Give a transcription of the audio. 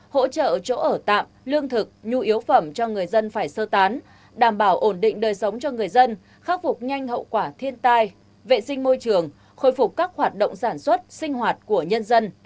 hỗ trợ chỗ ở tạm lương thực nhu yếu phẩm cho người dân phải sơ tán đảm bảo ổn định đời sống cho người dân khắc phục nhanh hậu quả thiên tai vệ sinh môi trường khôi phục các hoạt động sản xuất sinh hoạt của nhân dân